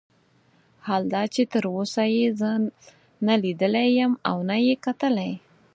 حال دا چې تر اوسه یې زه نه لیدلی یم او نه یې کتلی.